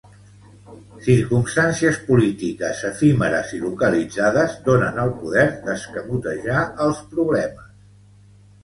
Circumstàncies polítiques efímeres i localitzades donen el poder d'escamotejar els problemes.